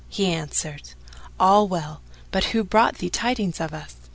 He answered, "All well; but who brought thee tidings of us?"